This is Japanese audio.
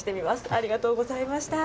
ありがとうございます。